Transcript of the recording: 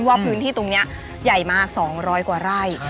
ว่าพื้นที่ตรงนี้ใหญ่มาก๒๐๐กว่าไร่